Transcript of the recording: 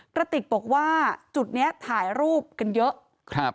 กระติกบอกว่าจุดนี้ถ่ายรูปกันเยอะครับ